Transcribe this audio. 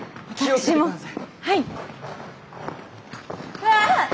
うわ。